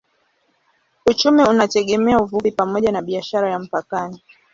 Uchumi unategemea uvuvi pamoja na biashara ya mpakani.